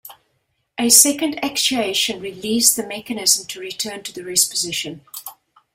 A second actuation released the mechanism to return to the rest position.